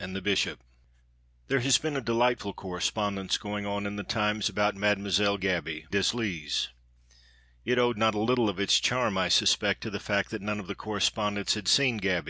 AND THE BISHOP There has been a delightful correspondence going on in the Times about Mdlle Gaby Deslys. It owed not a little of its charm, I suspect, to the fact that none of the correspondents had seen Gaby.